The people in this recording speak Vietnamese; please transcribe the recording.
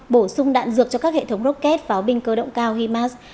bổ sung đạn dược cho các hệ thống rocket pháo binh cơ động cao himas